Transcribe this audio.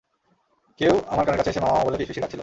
কেউ আমার কানের কাছে এসে মামা মামা বলে ফিসফিসিয়ে ডাকছিল।